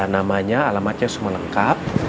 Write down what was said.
namanya alamatnya semua lengkap